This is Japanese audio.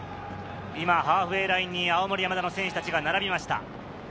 今、ハーフウェーラインに青森山田の選手達が並びました。